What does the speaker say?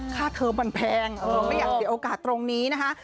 เทอมมันแพงไม่อยากเสียโอกาสตรงนี้นะคะ